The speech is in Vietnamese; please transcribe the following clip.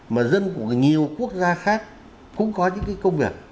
mà dân của nhiều quốc gia khác cũng có những cái công việc